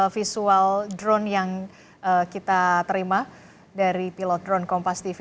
visual drone yang kita terima dari pilot drone kompas tv